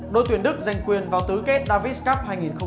đội tuyển đức giành quyền vào tứ kết davis cup hai nghìn một mươi chín